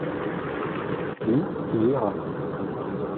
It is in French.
Lui, il lira.